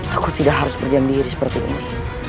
aku tidak harus berdiam diri seperti ini